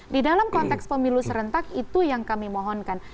di dalam konteks pemilu serentak itu yang kami mohonkan